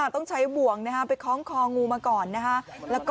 ตอนนี้ประมาณสาม